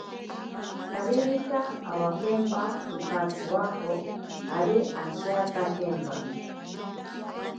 Aririka awakempa kipatsiwako, ari ashijatakempa.